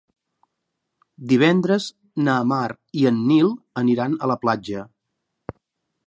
Divendres na Mar i en Nil aniran a la platja.